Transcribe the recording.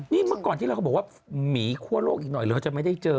นี่เมื่อก่อนที่เราก็บอกว่าหมีคั่วโลกอีกหน่อยเราจะไม่ได้เจอ